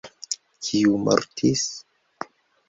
Kiu mortis?